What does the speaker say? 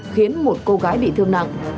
khiến một cô gái bị thương nặng